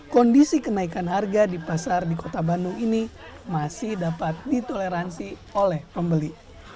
kondisi kenaikan harga di pasar di kota bandung ini masih dapat ditoleransi oleh pembeli